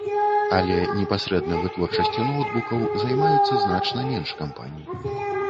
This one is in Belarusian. Але непасрэдна вытворчасцю ноўтбукаў займаюцца значна менш кампаній.